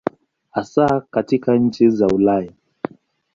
Hasa katika nchi za Ulaya.